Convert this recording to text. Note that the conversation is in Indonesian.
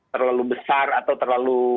terlalu besar atau terlalu